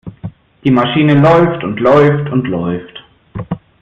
Die Maschine läuft und läuft und läuft.